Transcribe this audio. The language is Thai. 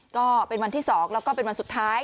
ก็เป็นวันที่๒แล้วก็เป็นวันสุดท้าย